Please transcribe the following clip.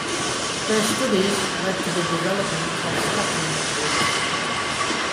Their studies led to the development of statin drugs.